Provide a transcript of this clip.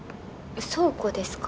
倉庫ですか？